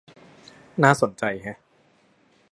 น่าสนใจแฮะ